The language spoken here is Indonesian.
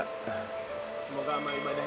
semoga sama ibadahnya diterima allah swt